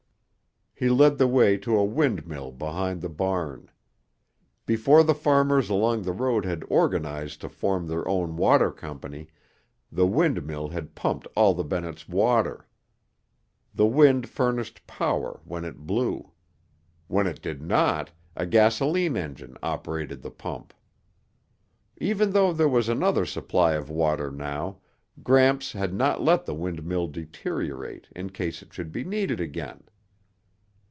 He led the way to a windmill behind the barn. Before the farmers along the road had organized to form their own water company, the windmill had pumped all the Bennetts' water. The wind furnished power when it blew. When it did not, a gasoline engine operated the pump. Even though there was another supply of water now, Gramps had not let the windmill deteriorate in case it should be needed again.